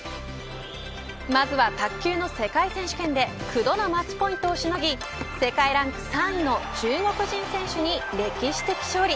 まずは卓球の世界選手権で９度のマッチポイントをしのぎ世界ランク３位の中国人選手に歴史的勝利。